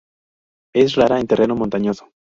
Es rara en terreno montañoso.